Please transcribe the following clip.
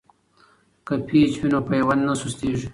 که پیچ وي نو پیوند نه سستیږي.